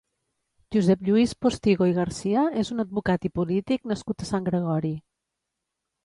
Josep Lluís Postigo i Garcia és un advocat i polític nascut a Sant Gregori.